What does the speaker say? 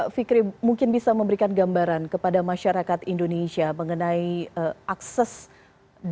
fikri mungkin bisa memberikan gambaran kepada masyarakat indonesia mengenai akses kesehatan